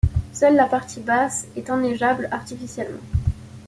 Seule la partie basse est enneigeable artificiellement.